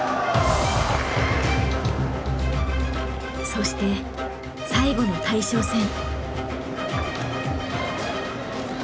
そして最後の大将戦。